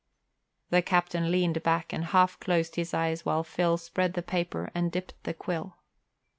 The captain leaned back and half closed his eyes while Phil spread the paper and dipped the quill.